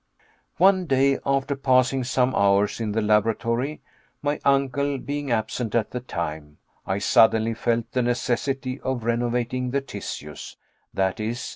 One day, after passing some hours in the laboratory my uncle being absent at the time I suddenly felt the necessity of renovating the tissues i.e.